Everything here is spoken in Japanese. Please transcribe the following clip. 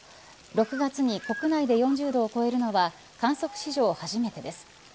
６月に国内で４０度を超えるのは観測史上初めてです。